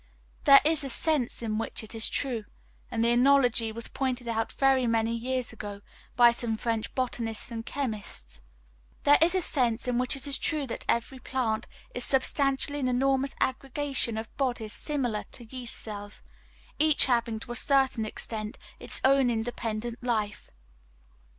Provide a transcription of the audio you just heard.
There is a sense in which it is true and the analogy was pointed out very many years ago by some French botanists and chemists there is a sense in which it is true that every plant is substantially an enormous aggregation of bodies similar to yeast cells, each having to a certain extent its own independent life.